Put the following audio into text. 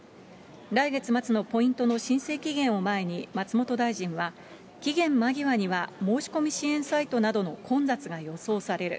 来月末のポイントの申請期限を前に、松本大臣は期限間際には申し込み支援サイトなどの混雑が予想される。